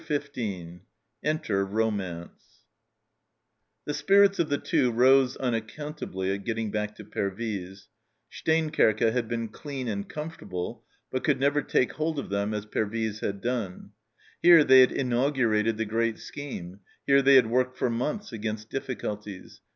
CHAPTER XV ENTER ROMANCE THE spirits of the Two rose unaccountably at getting back to Pervyse ; Steenkerke had been clean and comfortable, but never could take hold of them as Pervyse had done. Here they had inaugurated the great scheme, here they had worked for months against difficulties.